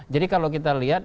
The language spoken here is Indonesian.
jadi kalau kita lihat